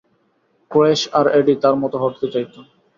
Crash আর Eddie তার মতো হতে চাইত।